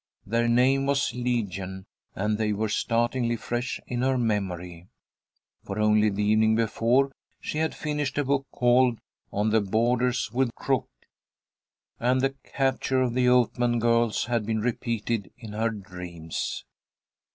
Their name was legion, and they were startlingly fresh in her memory, for only the evening before she had finished a book called "On the Borders with Crook," and the capture of the Oatman girls had been repeated in her dreams.